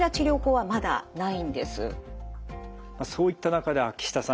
はい。